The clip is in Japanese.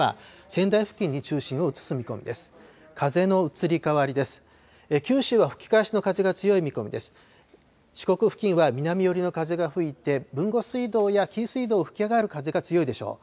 四国付近は南寄りの風が吹いて豊後水道や紀伊水道を吹き上がる風が強いでしょう。